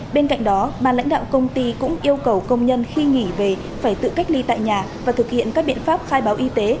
bên cạnh đó bà lãnh đạo công ty cũng yêu cầu công nhân khi nghỉ về phải tự cách ly tại nhà và thực hiện các biện pháp khai báo y tế